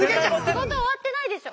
仕事終わってないでしょ。